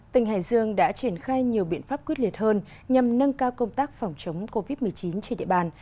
tỉnh hải dương đã triển khai nhiều biện pháp quyết liệt hơn nhằm nâng cao công tác phòng chống covid một mươi chín trên địa bàn